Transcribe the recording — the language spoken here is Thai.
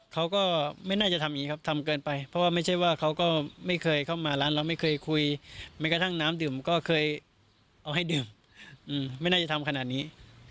เขาก็ไม่น่าจะทำอย่างนี้ครับทำเกินไปเพราะว่าไม่ใช่ว่าเขาก็ไม่เคยเข้ามาร้านเราไม่เคยคุยแม้กระทั่งน้ำดื่มก็เคยเอาให้ดื่มไม่น่าจะทำขนาดนี้